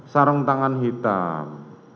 sarung tangan hitam